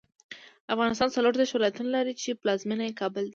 افغانستان څلوردېرش ولایتونه لري، چې پلازمېنه یې کابل دی.